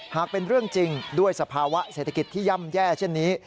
หากเป็นเรื่องจริงด้วยสภาวะเศรษฐกิจที่ย่ำแย่เช่นนี้